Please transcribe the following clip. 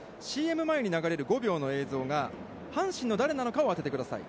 ＣＭ前に流れる５秒の映像が阪神タイガースの誰なのかを当ててください。